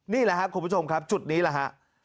นี่แหละครับคุณผู้ชมครับจุดนี้แหละฮะ